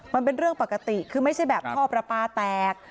มันเป็นเรื่องปกติคือไม่ใช่แบบท่อประปาแตก